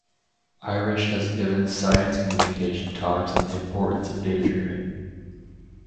Irish has given science communication talks on the importance of day dreaming.